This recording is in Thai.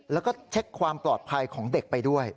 แล้วก็เช็คความปลอดภัยของเด็กไปด้วย